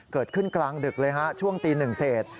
เกิดขึ้นกลางดึกเลยฮะช่วงตีหนึ่งเศษ